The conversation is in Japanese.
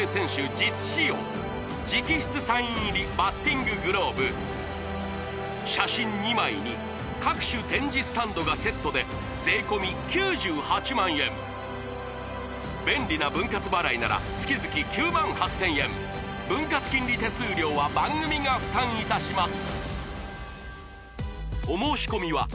実使用直筆サイン入りバッティンググローブ写真２枚に各種展示スタンドがセットで税込９８００００円便利な分割払いなら月々９８０００円分割金利手数料は番組が負担いたします